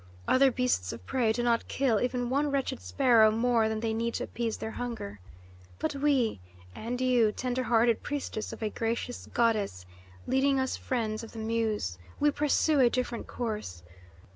Other beasts of prey do not kill even one wretched sparrow more than they need to appease their hunger. But we and you, tender hearted priestess of a gracious goddess leading us friends of the Muse we pursue a different course!